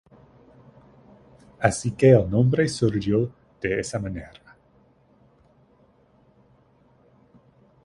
Así que el nombre surgió de esa manera.